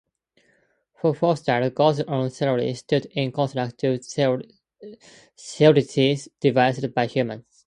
For Forsyth, "God's own theodicy" stood in contrast to theodicies devised by humans.